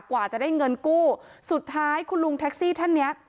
กว่าจะได้เงินกู้สุดท้ายคุณลุงแท็กซี่ท่านเนี้ย